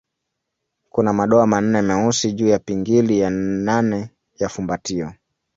Kuna madoa manne meusi juu ya pingili ya nane ya fumbatio.